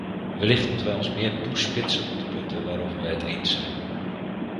Wellicht moeten wij ons meer toespitsen op de punten waarover wij het eens zijn.